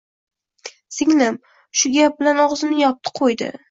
Singlim shu gap bilan og`zimni yopdi-qo`ydi